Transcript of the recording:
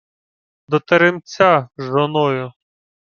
— До теремця. Жоною.